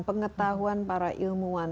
pengetahuan para ilmuwan